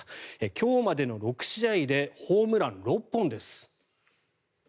今日までの６試合でホームラン６本です。